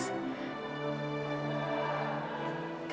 selama ini asma tuh